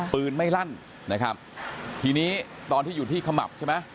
ปืนไม่ลั่นนะครับทีนี้ตอนที่อยู่ที่ขมับใช่ไหม